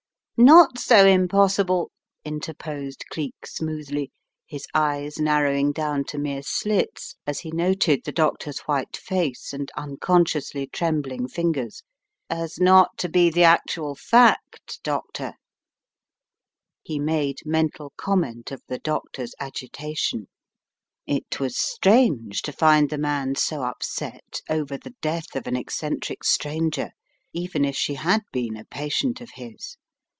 "Not so impossible," interposed Cleek smoothly, his eyes narrowing down to mere slits as he noted the doctor's white face and unconsciously trembling fingers, "as not to be the actual fact, Doctor." He made mental comment of the doctor's agitation. A Terrible Discovery 125 It was strange to find the man so upset over the death of an eccentric stranger even if she had been a patient of his.